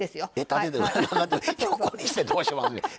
縦横にしてどうしまんねん。